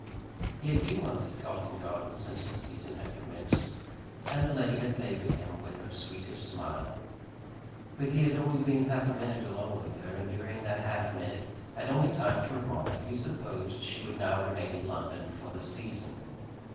He had been once at Carlton Gardens since the season had commenced, and the lady had favoured him with her sweetest smile. But he had only been half a minute alone with her, and during that half minute had only time to remark that he supposed she would now remain in London for the season.